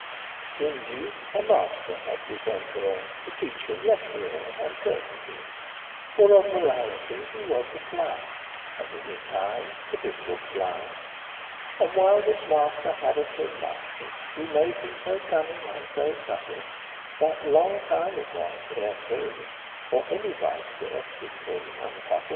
In youth a master had this emperour, To teache him lettrure* and courtesy; *literature, learning For of morality he was the flow'r, As in his time, *but if* bookes lie. *unless And while this master had of him mast'ry, He made him so conning and so souple,* *subtle That longe time it was ere tyranny, Or any vice, durst in him uncouple.